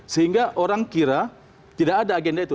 sehingga orang kira tidak ada agenda itu